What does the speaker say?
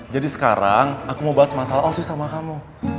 jadi sekarang aku mau bahas masalah ojo sama kamu